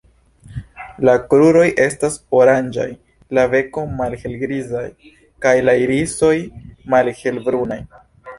La kruroj estas oranĝaj, la beko malhelgriza kaj la irisoj malhelbrunaj.